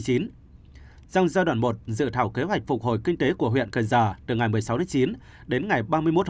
trong giai đoạn một dự thảo kế hoạch phục hồi kinh tế của huyện cần giờ từ ngày một mươi sáu chín đến ngày ba mươi một một mươi